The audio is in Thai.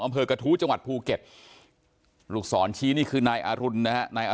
อำเภอกระทู้จังหวัดภูเก็ตลูกศรชี้นี่คือนายอรุณนะฮะนายอ